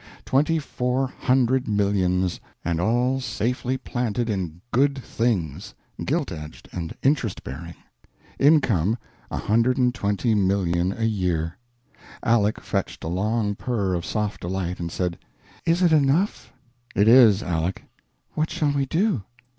Twenty four hundred millions, and all safely planted in Good Things, gilt edged and interest bearing. Income, $120,000,000 a year. Aleck fetched a long purr of soft delight, and said: "Is it enough?" "It is, Aleck." "What shall we do?"